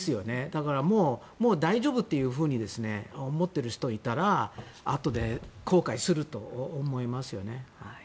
だからもう大丈夫というふうに思っている人がいたらあとで後悔すると思いますよね。